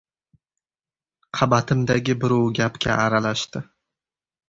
Qabatimdagi birov gapga aralashdi: